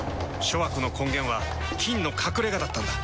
諸悪の根源は「菌の隠れ家」だったんだ。